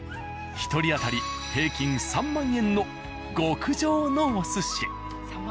１人当たり平均３万円の極上のお寿司。